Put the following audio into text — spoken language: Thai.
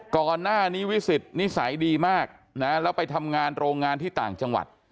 ก่อนหน้านี้วิสิตนิสัยดีมากนะแล้วไปทำงานโรงงานที่ต่างจังหวัด